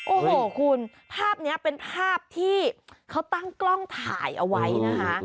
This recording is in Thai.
โอ้โหคุณภาพนี้เป็นภาพที่เขาตั้งกล้องถ่ายเอาไว้นะคะ